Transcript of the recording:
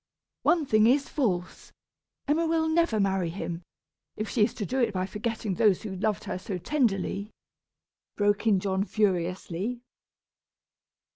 "One thing is false! Emma will never marry him, if she is to do it by forgetting those who loved her so tenderly," broke in John, furiously.